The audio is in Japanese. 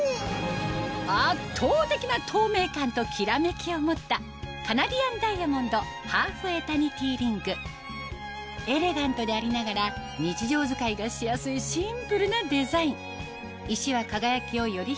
圧倒的な透明感ときらめきを持ったカナディアンダイヤモンドハーフエタニティリングエレガントでありながら日常使いがしやすいシンプルなデザイン石は輝きをより